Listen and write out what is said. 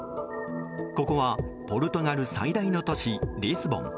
ここはポルトガル最大の都市リスボン。